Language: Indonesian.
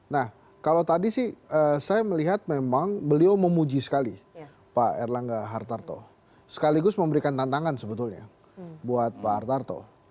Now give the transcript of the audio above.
nah kalau tadi sih saya melihat memang beliau memuji sekali pak erlangga hartarto sekaligus memberikan tantangan sebetulnya buat pak hartarto